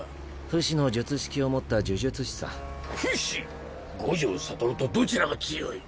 不死の術式を持った呪術師さ不死⁉五条悟とどちらが強い？